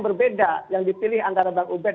berbeda yang dipilih antara bang ubed